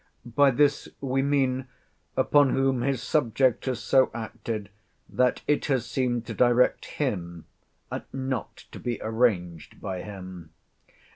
By this we mean, upon whom his subject has so acted, that it has seemed to direct him—not to be arranged by him?